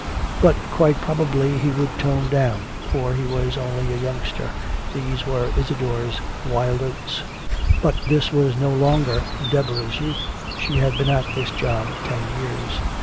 But quite probably he would tone down, for he was only a youngster, these were Isadore's wild oats. But this was no longer Deborah's youth, she had been at this job ten years.